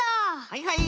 はいはい！